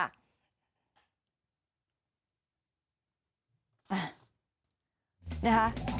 นะคะ